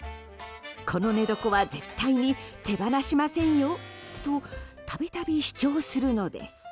この寝床は絶対に手放しませんよと度々、主張するのです。